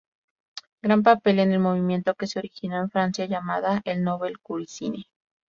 Gran papel en el movimiento que se originó en Francia llamado el "nouvelle cuisine".